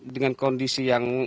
dengan kondisi yang